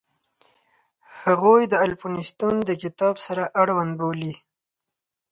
هغوی د الفونستون د کتاب سره اړوند بولي.